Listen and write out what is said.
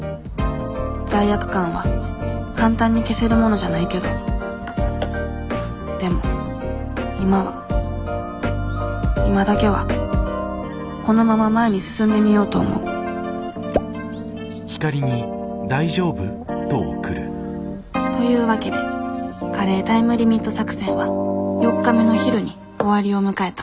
罪悪感は簡単に消せるものじゃないけどでも今は今だけはこのまま前に進んでみようと思うというわけでカレータイムリミット作戦は４日目の昼に終わりを迎えた